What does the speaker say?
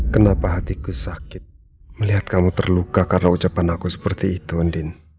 kenapa hatiku sakit melihat kamu terluka karena ucapan aku seperti itu andin